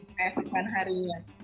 kayak sepanjang harinya